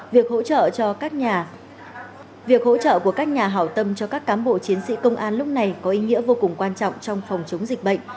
việc hỗ trợ của các nhà hảo tâm cho các cám bộ chiến sĩ công an lúc này có ý nghĩa vô cùng quan trọng trong phòng chống dịch bệnh